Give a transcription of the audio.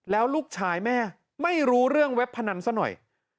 แล้วลูกชายแม่ไม่รู้เรื่องเว็บพนันซะหน่อย